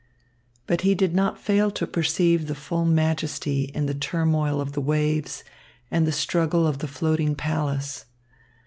But he did not fail to perceive the full majesty in the turmoil of the waves and the struggle of the floating palace.